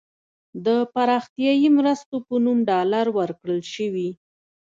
د پراختیايي مرستو په نوم ډالر ورکړل شوي.